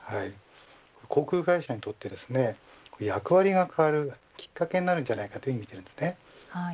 航空会社にとって役割が変わるきっかけになるんじゃないかとみています。